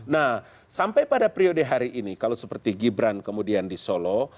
nah sampai pada periode hari ini kalau seperti gibran kemudian di solo